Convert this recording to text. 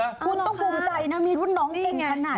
คุณต้องภูมิใจนะมีรุ่นน้องเก่งขนาด